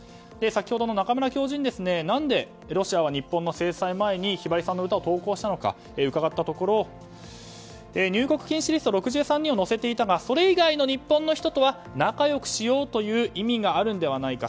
中村教授に何で、ロシアは日本の制裁前にひばりさんの歌を投稿したのか伺ったところ入国禁止リスト６３人を載せていたがそれ以外の日本の人とは仲良くしようという意味があるのではないか。